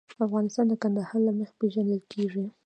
افغانستان د کندهار له مخې پېژندل کېږي.